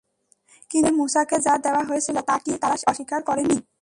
কিন্তু পূর্বে মূসাকে যা দেয়া হয়েছিল তা কি তারা অস্বীকার করেনি?